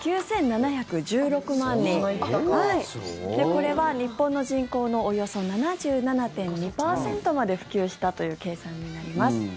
これは日本の人口のおよそ７７．２％まで普及したという計算になります。